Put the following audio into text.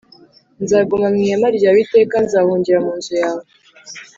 nzaguma mu ihema ryawe iteka nzahungira mu nzu yawe